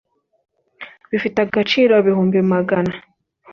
bifite agaciro ibihumbi magana